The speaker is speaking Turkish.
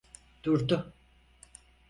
Durdu.